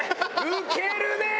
ウケるねー！